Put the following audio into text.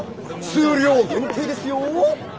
数量限定ですよ！